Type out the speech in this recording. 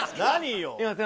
何よ。